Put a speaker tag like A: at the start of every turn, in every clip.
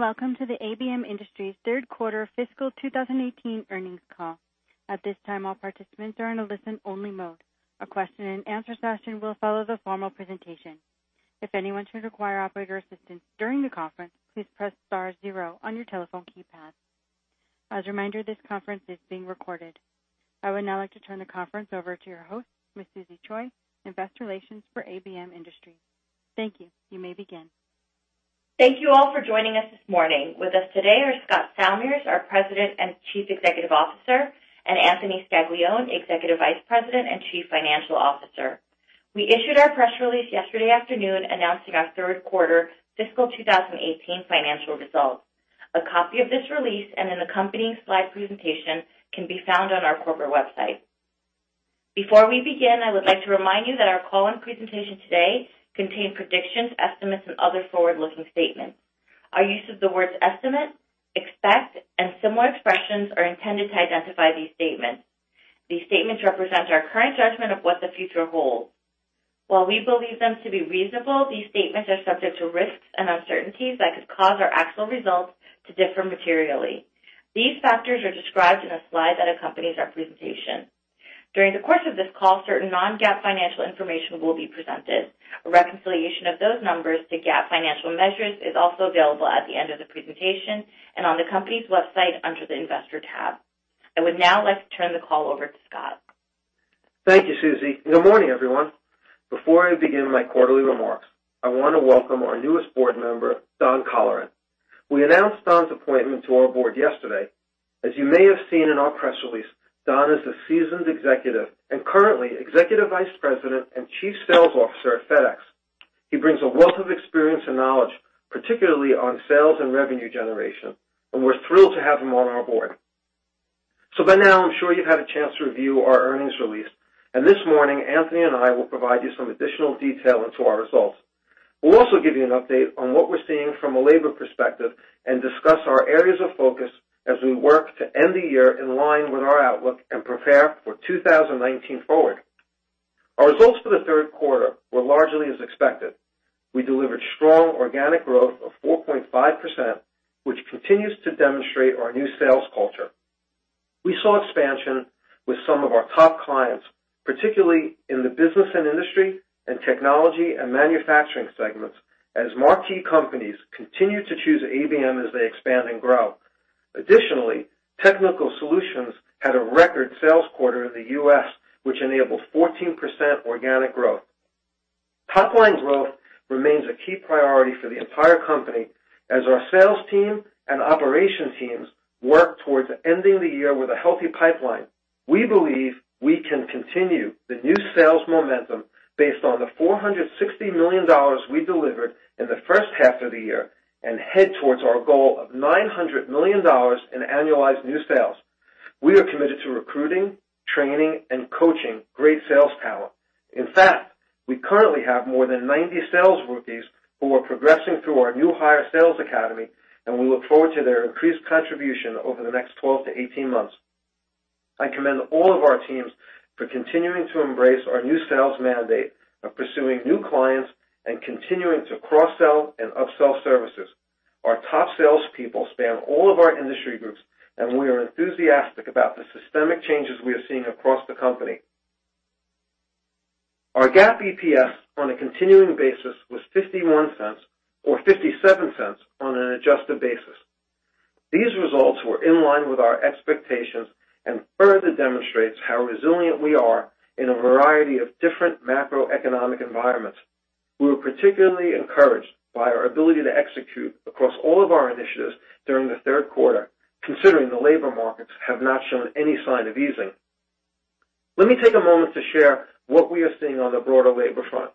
A: Welcome to the ABM Industries third quarter fiscal 2018 earnings call. At this time, all participants are in a listen-only mode. A question-and-answer session will follow the formal presentation. If anyone should require operator assistance during the conference, please press star zero on your telephone keypad. As a reminder, this conference is being recorded. I would now like to turn the conference over to your host, Ms. Susie Choi, Investor Relations for ABM Industries. Thank you. You may begin.
B: Thank you all for joining us this morning. With us today are Scott Salmirs, our President and Chief Executive Officer, and Anthony Scaglione, Executive Vice President and Chief Financial Officer. We issued our press release yesterday afternoon announcing our third quarter fiscal 2018 financial results. A copy of this release and an accompanying slide presentation can be found on our corporate website. Before we begin, I would like to remind you that our call and presentation today contain predictions, estimates, and other forward-looking statements. Our use of the words estimate, expect, and similar expressions are intended to identify these statements. These statements represent our current judgment of what the future holds. While we believe them to be reasonable, these statements are subject to risks and uncertainties that could cause our actual results to differ materially. These factors are described in a slide that accompanies our presentation. During the course of this call, certain non-GAAP financial information will be presented. A reconciliation of those numbers to GAAP financial measures is also available at the end of the presentation and on the company's website under the investor tab. I would now like to turn the call over to Scott.
C: Thank you, Susie. Good morning, everyone. Before I begin my quarterly remarks, I want to welcome our newest board member, Don Colleran. We announced Don's appointment to our board yesterday. As you may have seen in our press release, Don is a seasoned executive and currently Executive Vice President and Chief Sales Officer at FedEx. He brings a wealth of experience and knowledge, particularly on sales and revenue generation, and we're thrilled to have him on our board. By now, I'm sure you've had a chance to review our earnings release, and this morning, Anthony and I will provide you some additional detail into our results. We'll also give you an update on what we're seeing from a labor perspective and discuss our areas of focus as we work to end the year in line with our outlook and prepare for 2019 forward. Our results for the third quarter were largely as expected. We delivered strong organic growth of 4.5%, which continues to demonstrate our new sales culture. We saw expansion with some of our top clients, particularly in the Business & Industry, and Technology & Manufacturing segments, as marquee companies continue to choose ABM as they expand and grow. Additionally, Technical Solutions had a record sales quarter in the U.S., which enabled 14% organic growth. Top-line growth remains a key priority for the entire company, as our sales team and operation teams work towards ending the year with a healthy pipeline. We believe we can continue the new sales momentum based on the $460 million we delivered in the first half of the year and head towards our goal of $900 million in annualized new sales. We are committed to recruiting, training, and coaching great sales talent. In fact, we currently have more than 90 sales rookies who are progressing through our new hire sales academy, and we look forward to their increased contribution over the next 12 to 18 months. I commend all of our teams for continuing to embrace our new sales mandate of pursuing new clients and continuing to cross-sell and up-sell services. Our top salespeople span all of our industry groups, and we are enthusiastic about the systemic changes we are seeing across the company. Our GAAP EPS on a continuing basis was $0.51 or $0.57 on an adjusted basis. These results were in line with our expectations and further demonstrates how resilient we are in a variety of different macroeconomic environments. We were particularly encouraged by our ability to execute across all of our initiatives during the third quarter, considering the labor markets have not shown any sign of easing. Let me take a moment to share what we are seeing on the broader labor front.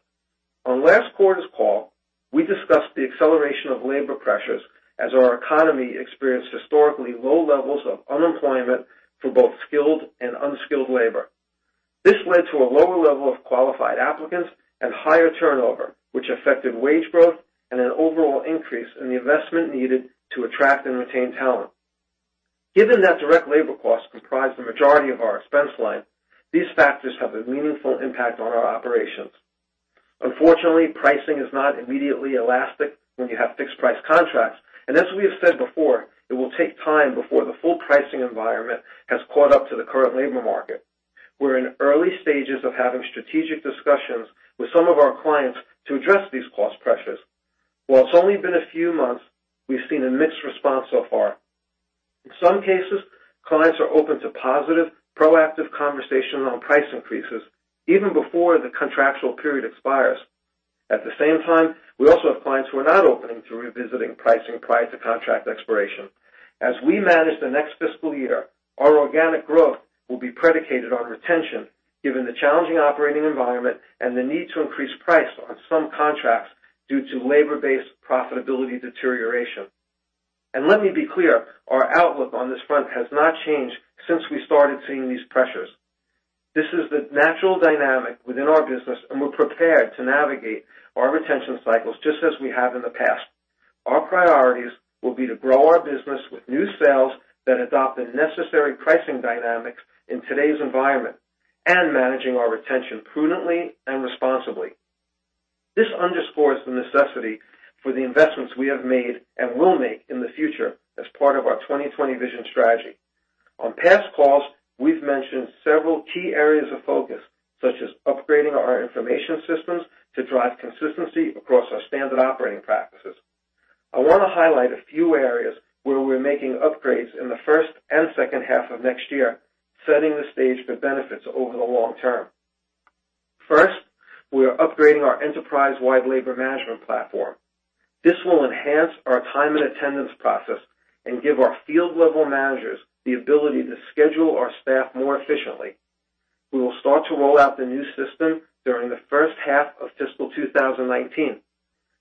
C: On last quarter's call, we discussed the acceleration of labor pressures as our economy experienced historically low levels of unemployment for both skilled and unskilled labor. This led to a lower level of qualified applicants and higher turnover, which affected wage growth and an overall increase in the investment needed to attract and retain talent. Given that direct labor costs comprise the majority of our expense line, these factors have a meaningful impact on our operations. Unfortunately, pricing is not immediately elastic when you have fixed-price contracts, and as we have said before, it will take time before the full pricing environment has caught up to the current labor market. We're in the early stages of having strategic discussions with some of our clients to address these cost pressures. While it's only been a few months, we've seen a mixed response so far. In some cases, clients are open to positive, proactive conversations on price increases even before the contractual period expires. At the same time, we also have clients who are not open to revisiting pricing prior to contract expiration. As we manage the next fiscal year, our organic growth will be predicated on retention given the challenging operating environment and the need to increase price on some contracts due to labor-based profitability deterioration. Let me be clear, our outlook on this front has not changed since we started seeing these pressures. This is the natural dynamic within our business, and we're prepared to navigate our retention cycles just as we have in the past. Our priorities will be to grow our business with new sales that adopt the necessary pricing dynamics in today's environment. Managing our retention prudently and responsibly. This underscores the necessity for the investments we have made and will make in the future as part of our 2020 Vision strategy. On past calls, we've mentioned several key areas of focus, such as upgrading our information systems to drive consistency across our standard operating practices. I want to highlight a few areas where we're making upgrades in the first and second half of next year, setting the stage for benefits over the long term. First, we are upgrading our enterprise-wide labor management platform. This will enhance our time and attendance process and give our field-level managers the ability to schedule our staff more efficiently. We will start to roll out the new system during the first half of fiscal 2019.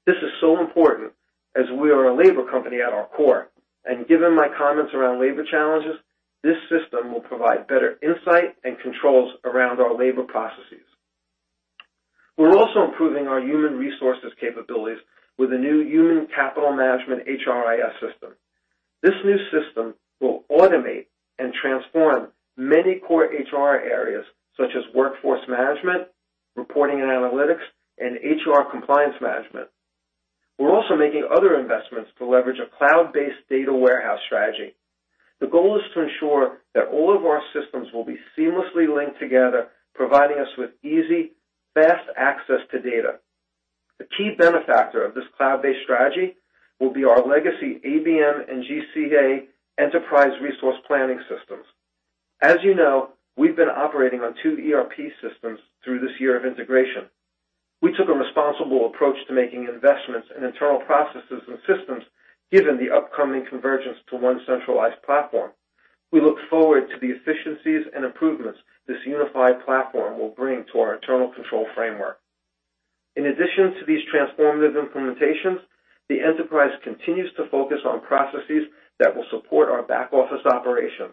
C: This is so important, as we are a labor company at our core, and given my comments around labor challenges, this system will provide better insight and controls around our labor processes. We're also improving our human resources capabilities with a new human capital management HRIS system. This new system will automate and transform many core HR areas, such as workforce management, reporting and analytics, and HR compliance management. We're also making other investments to leverage a cloud-based data warehouse strategy. The goal is to ensure that all of our systems will be seamlessly linked together, providing us with easy, fast access to data. The key benefactor of this cloud-based strategy will be our legacy ABM and GCA enterprise resource planning systems. As you know, we've been operating on two ERP systems through this year of integration. We took a responsible approach to making investments in internal processes and systems, given the upcoming convergence to one centralized platform. We look forward to the efficiencies and improvements this unified platform will bring to our internal control framework. In addition to these transformative implementations, the enterprise continues to focus on processes that will support our back-office operations.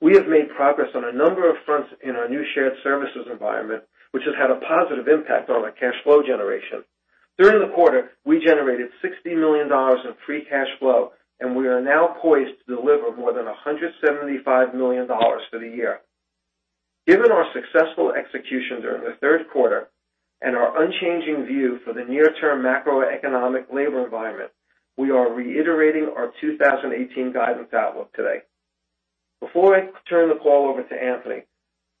C: We have made progress on a number of fronts in our new shared services environment, which has had a positive impact on our cash flow generation. During the quarter, we generated $60 million in free cash flow, and we are now poised to deliver more than $175 million for the year. Given our successful execution during the third quarter and our unchanging view for the near-term macroeconomic labor environment, we are reiterating our 2018 guidance outlook today. Before I turn the call over to Anthony,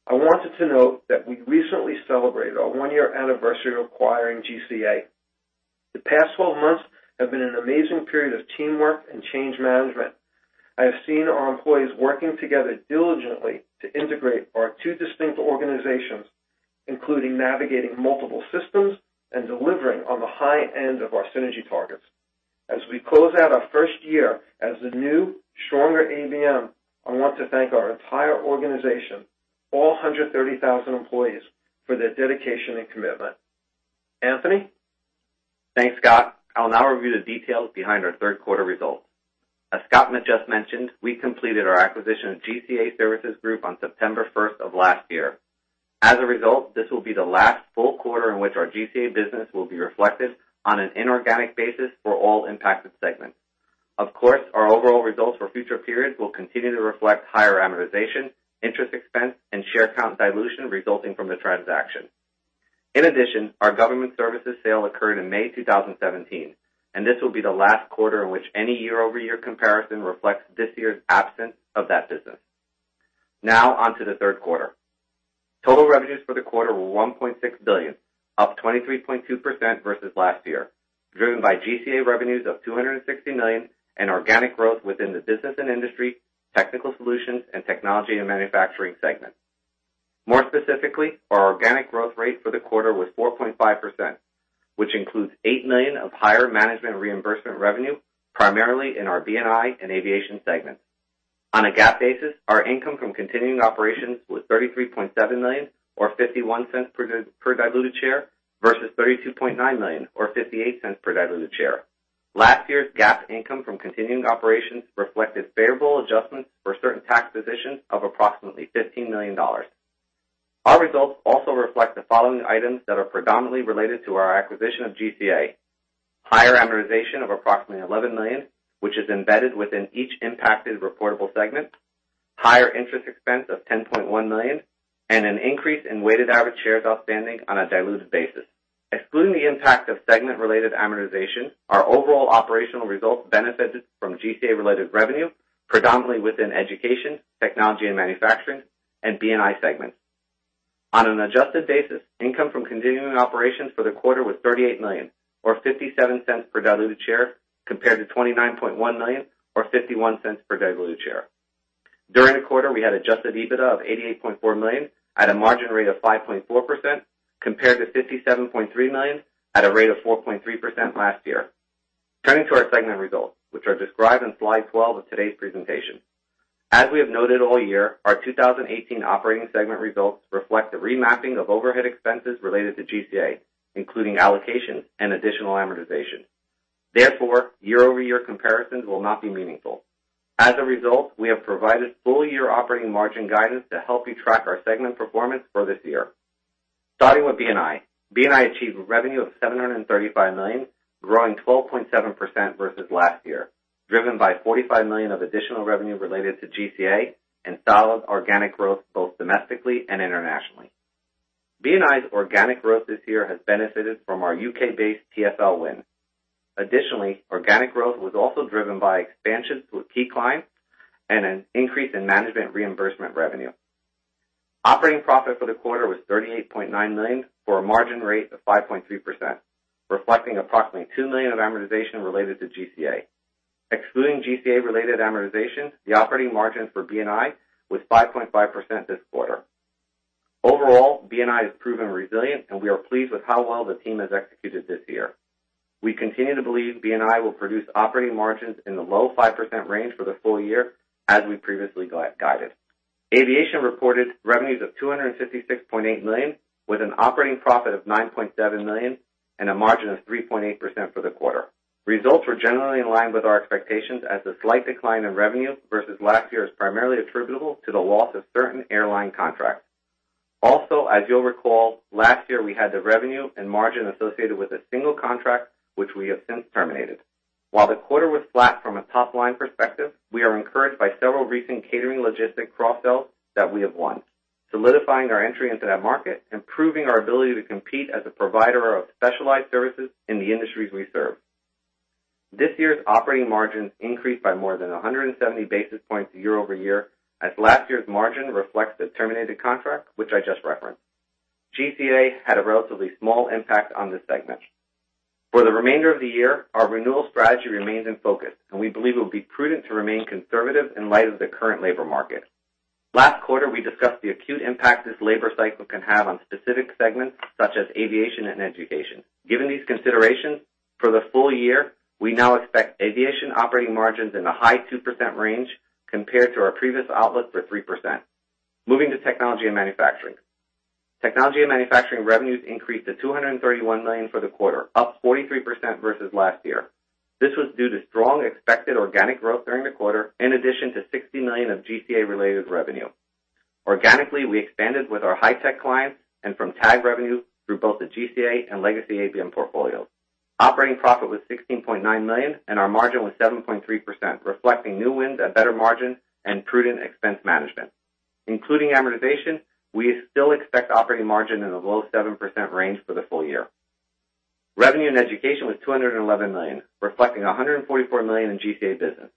C: I wanted to note that we recently celebrated our one-year anniversary of acquiring GCA. The past 12 months have been an amazing period of teamwork and change management. I have seen our employees working together diligently to integrate our two distinct organizations, including navigating multiple systems and delivering on the high end of our synergy targets. As we close out our first year as the new, stronger ABM, I want to thank our entire organization, all 130,000 employees, for their dedication and commitment. Anthony?
D: Thanks, Scott. I'll now review the details behind our third quarter results. As Scott had just mentioned, we completed our acquisition of GCA Services Group on September 1st of last year. As a result, this will be the last full quarter in which our GCA business will be reflected on an inorganic basis for all impacted segments. Of course, our overall results for future periods will continue to reflect higher amortization, interest expense, and share count dilution resulting from the transaction. In addition, our government services sale occurred in May 2017, and this will be the last quarter in which any year-over-year comparison reflects this year's absence of that business. Now, on to the third quarter. Total revenues for the quarter were $1.6 billion, up 23.2% versus last year, driven by GCA revenues of $260 million and organic growth within the Business & Industry, Technical Solutions, and Technology & Manufacturing segments. More specifically, our organic growth rate for the quarter was 4.5%, which includes $8 million of higher management reimbursement revenue, primarily in our B&I and Aviation segments. On a GAAP basis, our income from continuing operations was $33.7 million, or $0.51 per diluted share, versus $32.9 million, or $0.58 per diluted share. Last year's GAAP income from continuing operations reflected favorable adjustments for certain tax positions of approximately $15 million. Our results also reflect the following items that are predominantly related to our acquisition of GCA. Higher amortization of approximately $11 million, which is embedded within each impacted reportable segment, higher interest expense of $10.1 million, and an increase in weighted average shares outstanding on a diluted basis. Excluding the impact of segment-related amortization, our overall operational results benefited from GCA-related revenue, predominantly within Education, Technology & Manufacturing, and B&I segments. On an adjusted basis, income from continuing operations for the quarter was $38 million, or $0.57 per diluted share, compared to $29.1 million, or $0.51 per diluted share. During the quarter, we had adjusted EBITDA of $88.4 million at a margin rate of 5.4%, compared to $57.3 million at a rate of 4.3% last year. Turning to our segment results, which are described in slide 12 of today's presentation. As we have noted all year, our 2018 operating segment results reflect the remapping of overhead expenses related to GCA, including allocations and additional amortization. Therefore, year-over-year comparisons will not be meaningful. As a result, we have provided full-year operating margin guidance to help you track our segment performance for this year. Starting with B&I. B&I achieved revenue of $735 million, growing 12.7% versus last year, driven by $45 million of additional revenue related to GCA and solid organic growth both domestically and internationally. B&I's organic growth this year has benefited from our U.K.-based TfL win. Additionally, organic growth was also driven by expansions with key clients and an increase in management reimbursement revenue. Operating profit for the quarter was $38.9 million for a margin rate of 5.3%, reflecting approximately $2 million of amortization related to GCA. Excluding GCA-related amortization, the operating margin for B&I was 5.5% this quarter. Overall, B&I has proven resilient, and we are pleased with how well the team has executed this year. We continue to believe B&I will produce operating margins in the low 5% range for the full year, as we previously guided. Aviation reported revenues of $256.8 million, with an operating profit of $9.7 million and a margin of 3.8% for the quarter. Results were generally in line with our expectations, as the slight decline in revenue versus last year is primarily attributable to the loss of certain airline contracts. Also, as you'll recall, last year we had the revenue and margin associated with a single contract, which we have since terminated. While the quarter was flat from a top-line perspective, we are encouraged by several recent catering logistic cross-sells that we have won, solidifying our entry into that market, improving our ability to compete as a provider of specialized services in the industries we serve. This year's operating margins increased by more than 170 basis points year-over-year, as last year's margin reflects the terminated contract, which I just referenced. GCA had a relatively small impact on this segment. For the remainder of the year, our renewal strategy remains in focus, and we believe it will be prudent to remain conservative in light of the current labor market. Last quarter, we discussed the acute impact this labor cycle can have on specific segments such as Aviation and Education. Given these considerations, for the full year, we now expect Aviation operating margins in the high 2% range compared to our previous outlook for 3%. Moving to Technology & Manufacturing. Technology & Manufacturing revenues increased to $231 million for the quarter, up 43% versus last year. This was due to strong expected organic growth during the quarter, in addition to $60 million of GCA-related revenue. Organically, we expanded with our high-tech clients and from tag revenue through both the GCA and Legacy ABM portfolios. Operating profit was $16.9 million, and our margin was 7.3%, reflecting new wins at better margin and prudent expense management. Including amortization, we still expect operating margin in the low 7% range for the full year. Revenue in Education was $211 million, reflecting $144 million in GCA business.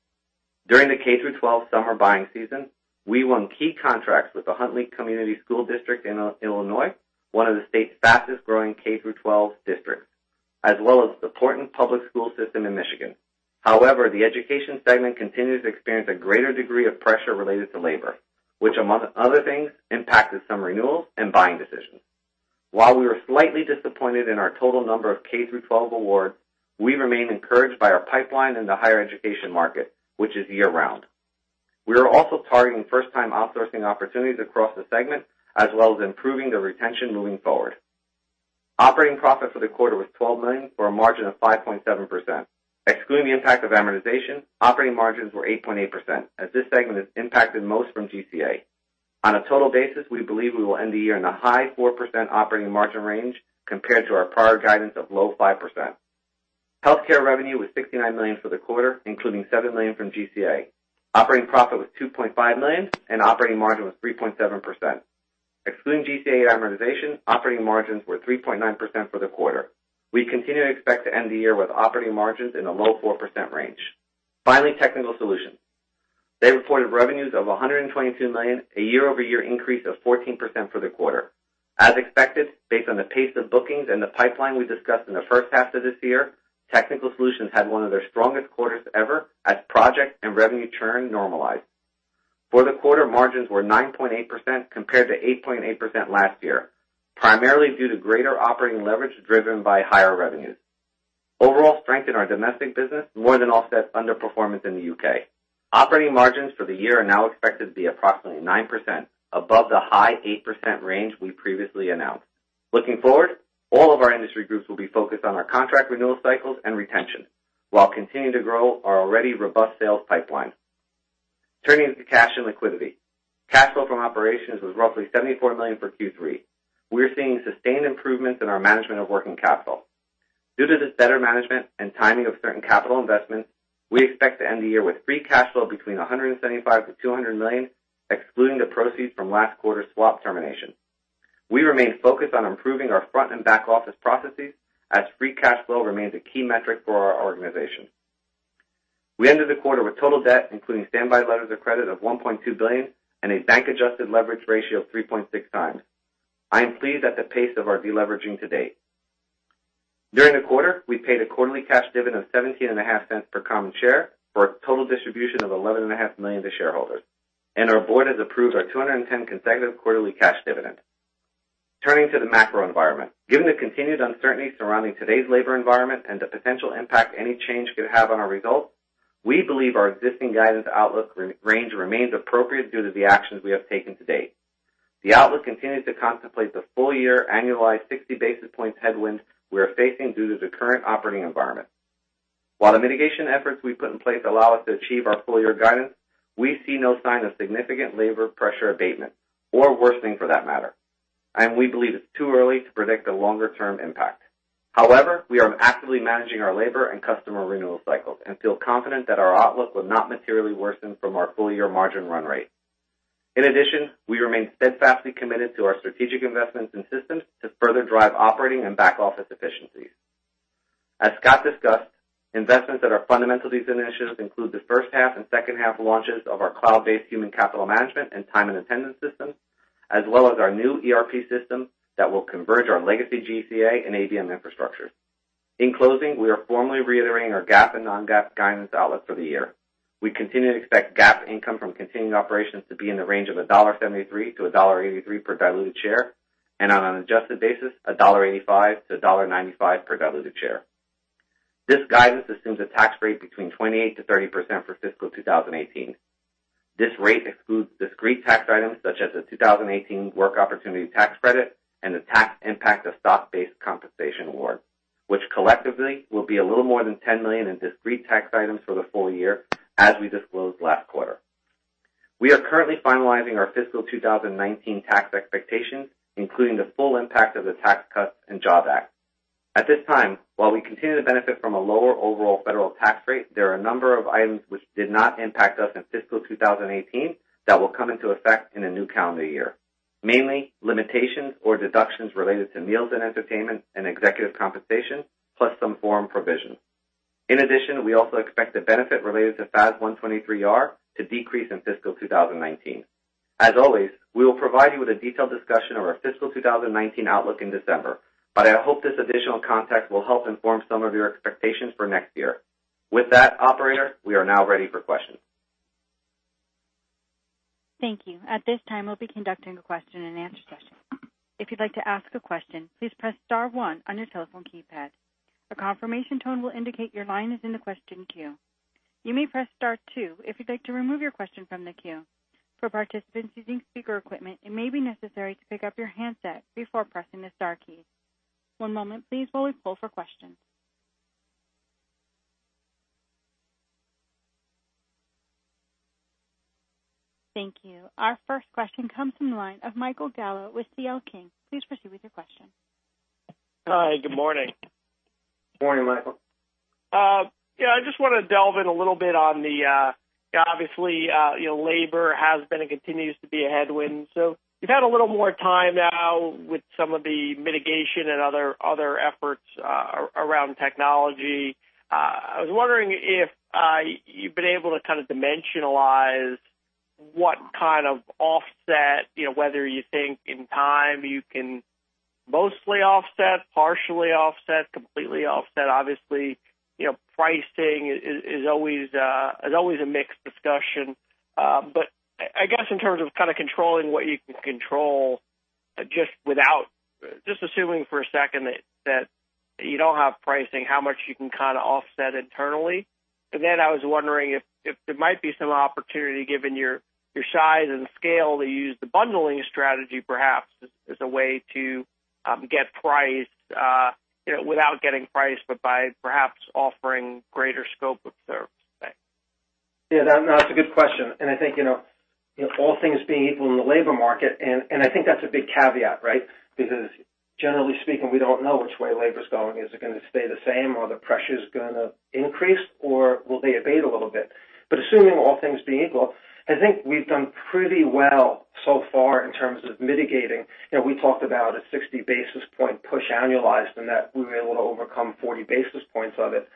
D: During the K-12 summer buying season, we won key contracts with the Huntley Community School District in Illinois, one of the state's fastest-growing K-12 districts, as well as the Portland Public Schools System in Michigan. However, the Education segment continues to experience a greater degree of pressure related to labor, which, among other things, impacted some renewals and buying decisions. While we were slightly disappointed in our total number of K-12 awards, we remain encouraged by our pipeline in the higher education market, which is year-round. We are also targeting first-time outsourcing opportunities across the segment, as well as improving the retention moving forward. Operating profit for the quarter was $12 million, for a margin of 5.7%. Excluding the impact of amortization, operating margins were 8.8%, as this segment is impacted most from GCA. On a total basis, we believe we will end the year in the high 4% operating margin range compared to our prior guidance of low 5%. Healthcare revenue was $69 million for the quarter, including $7 million from GCA. Operating profit was $2.5 million, and operating margin was 3.7%. Excluding GCA amortization, operating margins were 3.9% for the quarter. We continue to expect to end the year with operating margins in the low 4% range. Finally, Technical Solutions. They reported revenues of $122 million, a year-over-year increase of 14% for the quarter. As expected, based on the pace of bookings and the pipeline we discussed in the first half of this year, Technical Solutions had one of their strongest quarters ever as project and revenue churn normalized. For the quarter, margins were 9.8% compared to 8.8% last year, primarily due to greater operating leverage driven by higher revenues. Overall strength in our domestic business more than offsets underperformance in the U.K. Operating margins for the year are now expected to be approximately 9%, above the high 8% range we previously announced. Looking forward, all of our industry groups will be focused on our contract renewal cycles and retention while continuing to grow our already robust sales pipeline. Turning to cash and liquidity. Cash flow from operations was roughly $74 million for Q3. We are seeing sustained improvements in our management of working capital. Due to this better management and timing of certain capital investments, we expect to end the year with free cash flow between $175 million-$200 million, excluding the proceeds from last quarter's swap termination. We remain focused on improving our front and back-office processes as free cash flow remains a key metric for our organization. We ended the quarter with total debt, including standby letters of credit of $1.2 billion and a bank-adjusted leverage ratio of 3.6 times. I am pleased at the pace of our deleveraging to date. During the quarter, we paid a quarterly cash dividend of $0.175 per common share for a total distribution of $11.5 million to shareholders, and our board has approved our 210 consecutive quarterly cash dividend. Turning to the macro environment. Given the continued uncertainty surrounding today's labor environment and the potential impact any change could have on our results, we believe our existing guidance outlook range remains appropriate due to the actions we have taken to date. The outlook continues to contemplate the full-year annualized 60 basis points headwind we are facing due to the current operating environment. While the mitigation efforts we put in place allow us to achieve our full-year guidance, we see no sign of significant labor pressure abatement or worsening for that matter. We believe it's too early to predict the longer-term impact. However, we are actively managing our labor and customer renewal cycles and feel confident that our outlook will not materially worsen from our full-year margin run rate. In addition, we remain steadfastly committed to our strategic investments in systems to further drive operating and back-office efficiencies. As Scott discussed, investments that are fundamental to these initiatives include the first half and second half launches of our cloud-based human capital management and time and attendance systems, as well as our new ERP system that will converge our legacy GCA and ABM infrastructures. In closing, we are formally reiterating our GAAP and non-GAAP guidance outlook for the year. We continue to expect GAAP income from continuing operations to be in the range of $1.73-$1.83 per diluted share, and on an adjusted basis, $1.85-$1.95 per diluted share. This guidance assumes a tax rate between 28%-30% for fiscal 2018. This rate excludes discrete tax items such as the 2018 Work Opportunity Tax Credit and the tax impact of stock-based compensation awards, which collectively will be a little more than $10 million in discrete tax items for the full year, as we disclosed last quarter. We are currently finalizing our fiscal 2019 tax expectations, including the full impact of the Tax Cuts and Jobs Act. At this time, while we continue to benefit from a lower overall federal tax rate, there are a number of items which did not impact us in fiscal 2018 that will come into effect in the new calendar year, mainly limitations or deductions related to meals and entertainment and executive compensation, plus some foreign provisions. In addition, we also expect the benefit related to FAS 123R to decrease in fiscal 2019. As always, we will provide you with a detailed discussion of our fiscal 2019 outlook in December, but I hope this additional context will help inform some of your expectations for next year. With that, operator, we are now ready for questions.
A: Thank you. At this time, we'll be conducting a question and answer session. If you'd like to ask a question, please press star one on your telephone keypad. A confirmation tone will indicate your line is in the question queue. You may press star two if you'd like to remove your question from the queue. For participants using speaker equipment, it may be necessary to pick up your handset before pressing the star keys. One moment, please, while we poll for questions. Thank you. Our first question comes from the line of Michael Gallo with C.L. King. Please proceed with your question.
E: Hi. Good morning.
D: Morning, Michael.
E: I just want to delve in a little bit on the, obviously, labor has been and continues to be a headwind. You've had a little more time now with some of the mitigation and other efforts around technology. I was wondering if you've been able to kind of dimensionalize what kind of offset, whether you think in time you can mostly offset, partially offset, completely offset. Obviously, pricing is always a mixed discussion. I guess in terms of kind of controlling what you can control, just assuming for a second that you don't have pricing, how much you can kind of offset internally. Then I was wondering if there might be some opportunity, given your size and scale, to use the bundling strategy perhaps as a way to get price without getting price, but by perhaps offering greater scope of service.
D: That's a good question. I think, all things being equal in the labor market, and I think that's a big caveat, right? Generally speaking, we don't know which way labor's going. Is it going to stay the same? Are the pressures going to increase, or will they abate a little bit? Assuming all things being equal, I think we've done pretty well so far in terms of mitigating. We talked about a 60 basis point push annualized, and that we were able to overcome 40 basis points of it.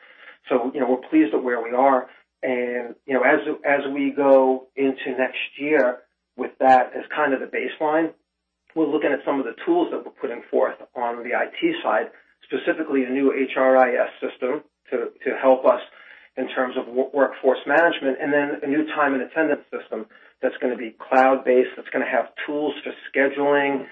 D: We're pleased with where we are. As we go into next year with that as kind of the baseline, we're looking at some of the tools that we're putting forth on the IT side, specifically the new HRIS system, to help us in terms of workforce management, and then a new time and attendance system that's going to be cloud-based, that's going to have tools for scheduling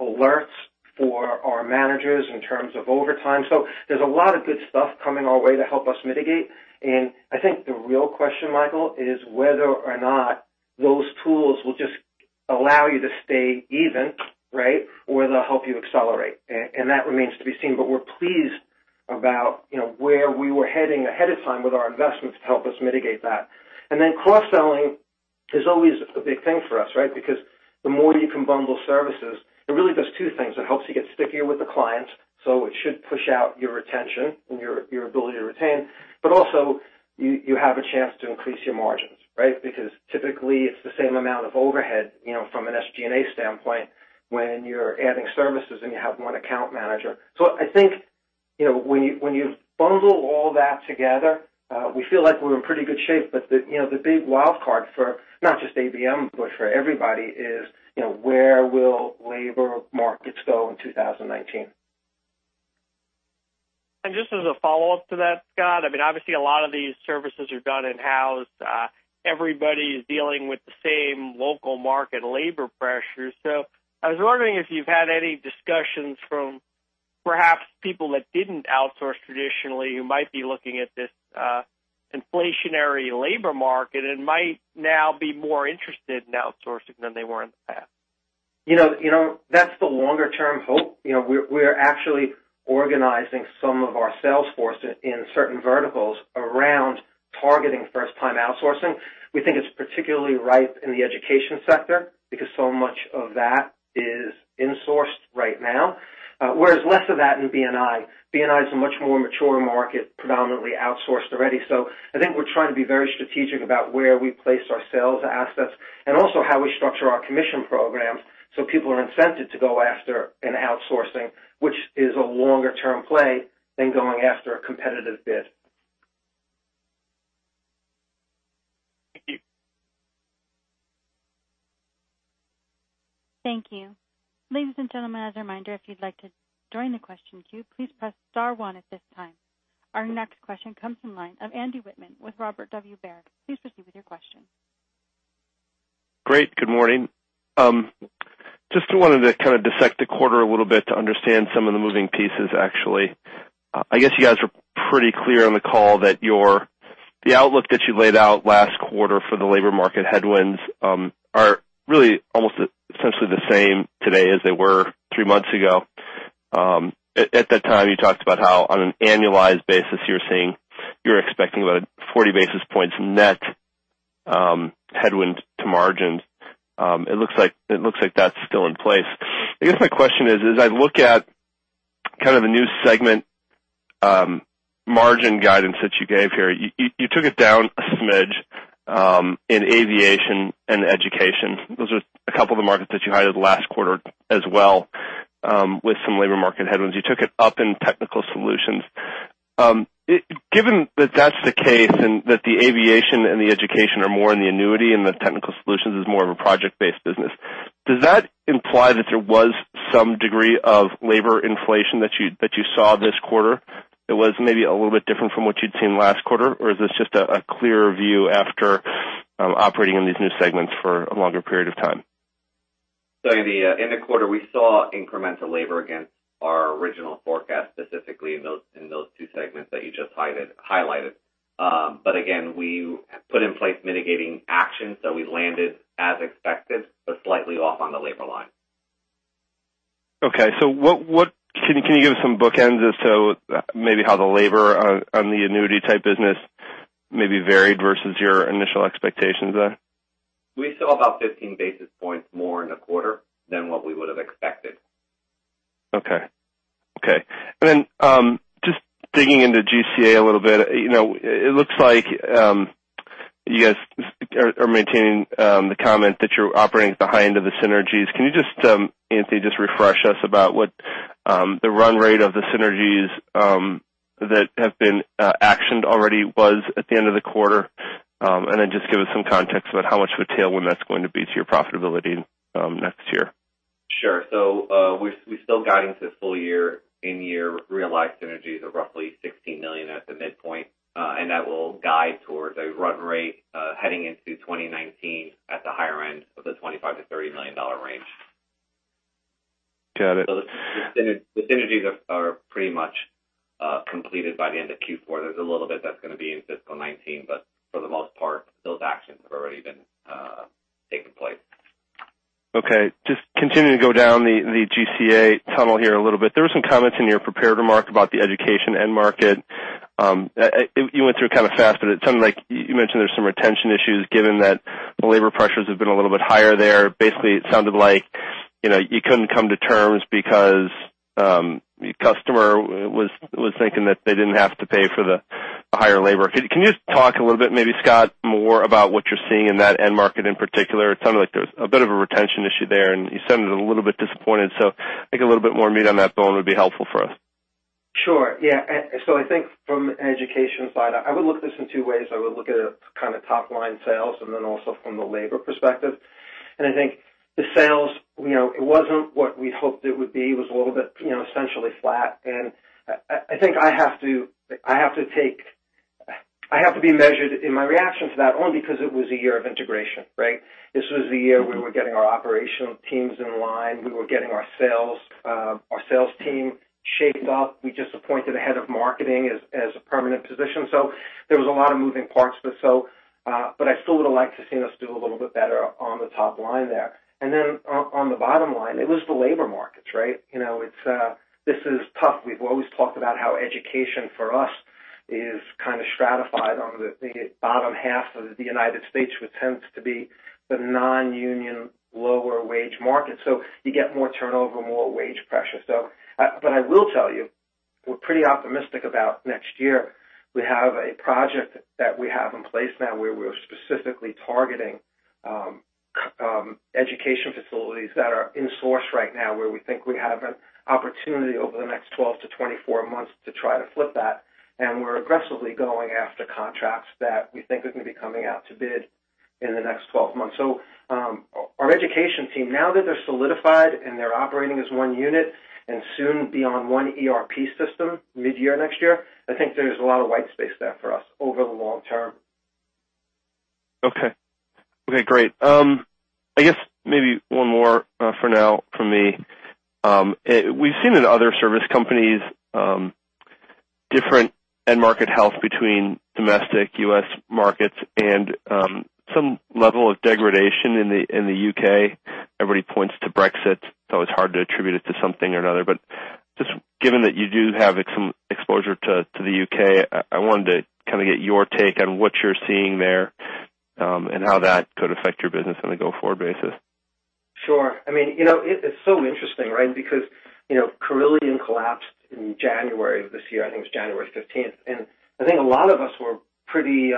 D: alerts for our managers in terms of overtime. There's a lot of good stuff coming our way to help us mitigate. I think the real question, Michael, is whether or not those tools will just allow you to stay even, right? They'll help you accelerate. That remains to be seen. We're pleased about where we were heading ahead of time with our investments to help us mitigate that. Then cross-selling is always a big thing for us, right? The more you can bundle services, it really does two things. It helps you get stickier with the client, so it should push out your retention and your ability to retain. Also, you have a chance to increase your margins, right? Typically it's the same amount of overhead from an SG&A standpoint when you're adding services and you have one account manager. I think when you bundle all that together, we feel like we're in pretty good shape. The big wildcard for not just ABM, but for everybody is where will labor markets go in 2019?
E: Just as a follow-up to that, Scott, I mean, obviously a lot of these services are done in-house. Everybody is dealing with the same local market labor pressures. I was wondering if you've had any discussions from perhaps people that didn't outsource traditionally who might be looking at this inflationary labor market and might now be more interested in outsourcing than they were in the past?
C: That's the longer-term hope. We're actually organizing some of our sales force in certain verticals around targeting first-time outsourcing. We think it's particularly ripe in the Education sector because so much of that is insourced right now, whereas less of that in B&I. B&I is a much more mature market, predominantly outsourced already. I think we're trying to be very strategic about where we place our sales assets and also how we structure our commission programs so people are incented to go after an outsourcing, which is a longer-term play than going after a competitive bid.
E: Thank you.
A: Thank you. Ladies and gentlemen, as a reminder, if you'd like to join the question queue, please press star one at this time. Our next question comes from the line of Andy Wittmann with Robert W. Baird. Please proceed with your question.
F: Great. Good morning. Just wanted to kind of dissect the quarter a little bit to understand some of the moving pieces, actually. I guess you guys were pretty clear on the call that the outlook that you laid out last quarter for the labor market headwinds are really almost essentially the same today as they were 3 months ago. At that time, you talked about how, on an annualized basis, you're expecting about 40 basis points net headwind to margins. It looks like that's still in place. I guess my question is, as I look at kind of the new segment margin guidance that you gave here, you took it down a smidge in Aviation and Education. Those are a couple of the markets that you highlighted last quarter as well, with some labor market headwinds. You took it up in Technical Solutions. Given that that's the case and that the Aviation and the Education are more in the annuity and the Technical Solutions is more of a project-based business, does that imply that there was some degree of labor inflation that you saw this quarter that was maybe a little bit different from what you'd seen last quarter? Is this just a clearer view after operating in these new segments for a longer period of time?
D: In the quarter, we saw incremental labor against our original forecast, specifically in those two segments that you just highlighted. Again, we put in place mitigating actions, so we landed as expected, but slightly off on the labor line.
F: Can you give us some bookends as to maybe how the labor on the annuity type business maybe varied versus your initial expectations there?
D: We saw about 15 basis points more in the quarter than what we would have expected.
F: Okay. Just digging into GCA a little bit. It looks like you guys are maintaining the comment that you're operating at the high end of the synergies. Can you just, Anthony, just refresh us about what the run rate of the synergies that have been actioned already was at the end of the quarter? Just give us some context about how much of a tailwind that's going to be to your profitability next year.
D: Sure. We're still guiding to full year in-year realized synergies of roughly $16 million at the midpoint. That will guide towards a run rate heading into 2019 at the higher end of the $25 million-$30 million range.
F: Got it.
D: The synergies are pretty much completed by the end of Q4. There's a little bit that's going to be in fiscal 2019, but for the most part, those actions have already been taking place.
F: Okay. Just continuing to go down the GCA tunnel here a little bit. There were some comments in your prepared remarks about the Education end market. You went through it kind of fast, but it sounded like you mentioned there's some retention issues given that the labor pressures have been a little bit higher there. Basically, it sounded like you couldn't come to terms because the customer was thinking that they didn't have to pay for the higher labor. Can you talk a little bit, maybe, Scott, more about what you're seeing in that end market in particular? It sounded like there was a bit of a retention issue there, and you sounded a little bit disappointed, so I think a little bit more meat on that bone would be helpful for us.
C: Sure. Yeah. I think from an Education side, I would look at this in two ways. I would look at it kind of top-line sales and then also from the labor perspective. I think the sales, it wasn't what we hoped it would be. It was a little bit essentially flat. I think I have to be measured in my reaction to that only because it was a year of integration, right? This was the year we were getting our operational teams in line. We were getting our sales team shaped up. We just appointed a head of marketing as a permanent position. There was a lot of moving parts. I still would have liked to seen us do a little bit better on the top line there. Then on the bottom line, it was the labor markets, right? This is tough. We've always talked about how Education for us is kind of stratified on the bottom half of the U.S., which tends to be the non-union, lower-wage market. You get more turnover, more wage pressure. I will tell you, we're pretty optimistic about next year. We have a project that we have in place now where we're specifically targeting Education facilities that are insourced right now, where we think we have an opportunity over the next 12-24 months to try to flip that. We're aggressively going after contracts that we think are going to be coming out to bid in the next 12 months. Our Education team, now that they're solidified and they're operating as one unit and soon be on one ERP system mid-year next year, I think there's a lot of white space there for us over the long term.
F: Okay. Great. I guess maybe one more for now from me. We've seen in other service companies different end market health between domestic U.S. markets and some level of degradation in the U.K. Everybody points to Brexit, it's hard to attribute it to something or another. Just given that you do have some exposure to the U.K., I wanted to get your take on what you're seeing there, and how that could affect your business on a go-forward basis.
C: Sure. It's so interesting, right? Because Carillion collapsed in January of this year, I think it was January 15th. I think a lot of us were pretty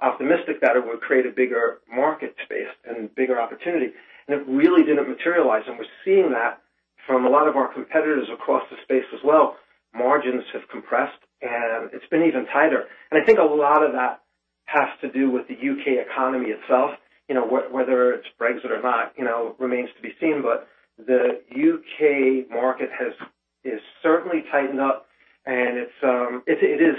C: optimistic that it would create a bigger market space and bigger opportunity. It really didn't materialize, and we're seeing that from a lot of our competitors across the space as well. Margins have compressed, and it's been even tighter. I think a lot of that has to do with the U.K. economy itself. Whether it's Brexit or not, remains to be seen. The U.K. market has certainly tightened up, and it is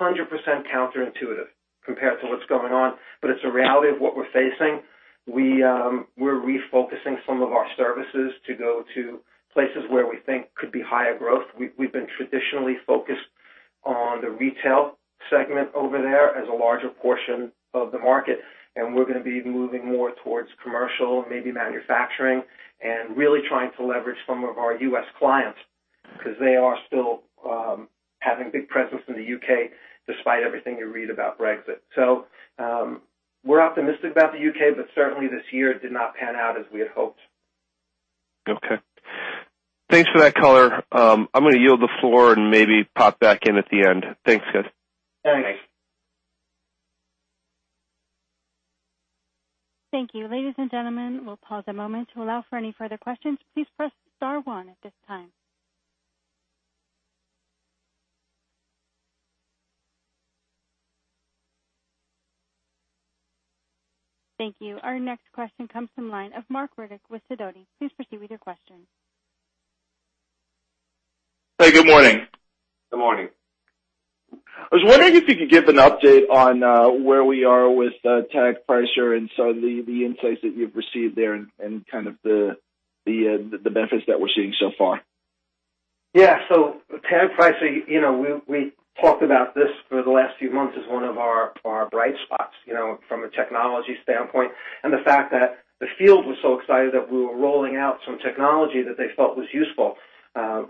C: 100% counterintuitive compared to what's going on, but it's a reality of what we're facing. We're refocusing some of our services to go to places where we think could be higher growth. We've been traditionally focused on the retail segment over there as a larger portion of the market, and we're going to be moving more towards commercial, maybe manufacturing, and really trying to leverage some of our U.S. clients, because they are still having big presence in the U.K. despite everything you read about Brexit. We're optimistic about the U.K., but certainly this year it did not pan out as we had hoped.
F: Okay. Thanks for that color. I'm going to yield the floor and maybe pop back in at the end. Thanks, guys.
C: Very nice.
A: Thank you. Ladies and gentlemen, we'll pause a moment to allow for any further questions. Please press star one at this time. Thank you. Our next question comes from line of Marc Riddick with Sidoti. Please proceed with your question.
G: Hey, good morning.
C: Good morning.
G: I was wondering if you could give an update on where we are with Tagpricer and some of the insights that you've received there and kind of the benefits that we're seeing so far.
C: Tagpricer, we talked about this for the last few months as one of our bright spots from a technology standpoint. The fact that the field was so excited that we were rolling out some technology that they felt was useful.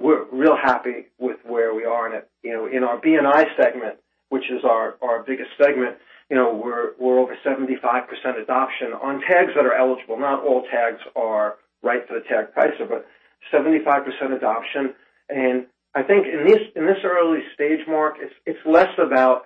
C: We're real happy with where we are in it. In our B&I segment, which is our biggest segment, we're over 75% adoption on tags that are eligible. Not all tags are right for the Tagpricer, but 75% adoption. I think in this early stage, Marc, it's less about,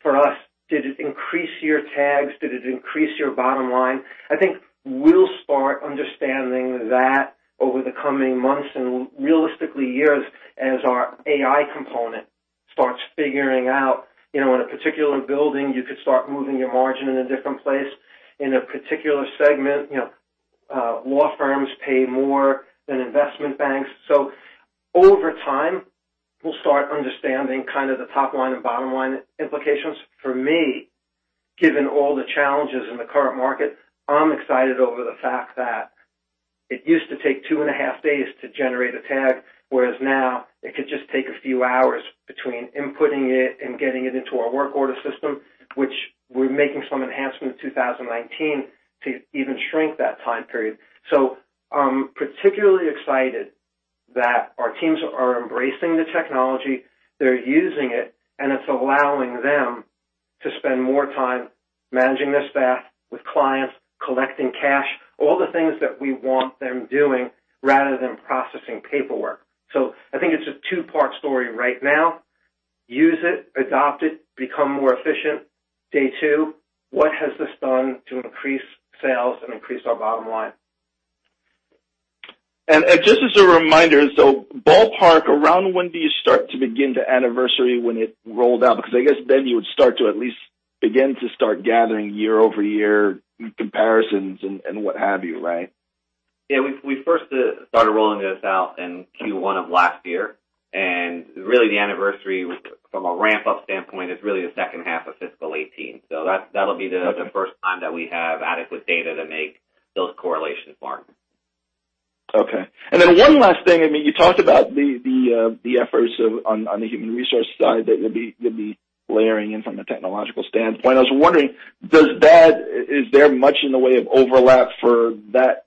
C: for us, did it increase your tags? Did it increase your bottom line? I think we'll start understanding that over the coming months and realistically years as our AI component starts figuring out in a particular building, you could start moving your margin in a different place. In a particular segment, law firms pay more than investment banks. Over time, we'll start understanding kind of the top-line and bottom-line implications. For me, given all the challenges in the current market, I'm excited over the fact that it used to take two and a half days to generate a tag, whereas now it could just take a few hours between inputting it and getting it into our work order system, which we're making some enhancements in 2019 to even shrink that time period. I'm particularly excited that our teams are embracing the technology, they're using it, and it's allowing them to spend more time managing their staff, with clients, collecting cash, all the things that we want them doing rather than processing paperwork. I think it's a two-part story right now. Use it, adopt it, become more efficient. Day two, what has this done to increase sales and increase our bottom line?
G: Just as a reminder, ballpark, around when do you start to begin to anniversary when it rolled out? Because I guess then you would start to at least begin to start gathering year-over-year comparisons and what have you, right?
C: Yeah. We first started rolling this out in Q1 of last year. Really the anniversary from a ramp-up standpoint is really the second half of fiscal 2018. That'll be the first time that we have adequate data to make those correlations, Marc.
G: Okay. Then one last thing. You talked about the efforts on the human resource side that you'll be layering in from a technological standpoint. I was wondering, is there much in the way of overlap for that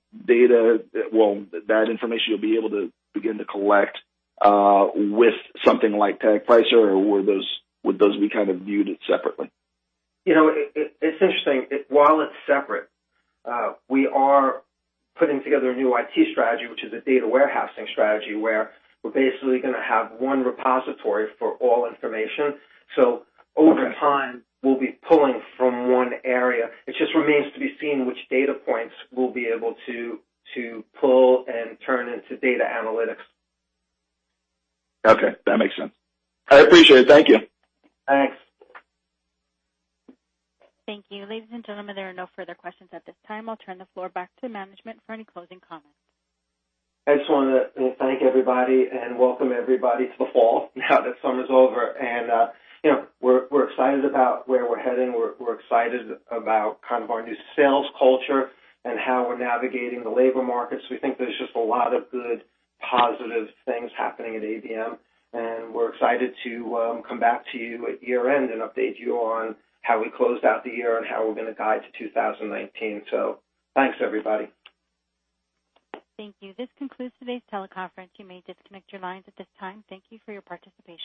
G: information you'll be able to begin to collect, with something like Tagpricer, or would those be kind of viewed separately?
C: It's interesting. While it's separate, we are putting together a new IT strategy, which is a data warehousing strategy, where we're basically going to have one repository for all information. Over time, we'll be pulling from one area. It just remains to be seen which data points we'll be able to pull and turn into data analytics.
G: Okay. That makes sense. I appreciate it. Thank you.
C: Thanks.
A: Thank you. Ladies and gentlemen, there are no further questions at this time. I'll turn the floor back to management for any closing comments.
C: I just want to thank everybody and welcome everybody to the fall now that summer's over. We're excited about where we're heading. We're excited about kind of our new sales culture and how we're navigating the labor markets. We think there's just a lot of good, positive things happening at ABM, and we're excited to come back to you at year-end and update you on how we closed out the year and how we're going to guide to 2019. Thanks, everybody.
A: Thank you. This concludes today's teleconference. You may disconnect your lines at this time. Thank you for your participation.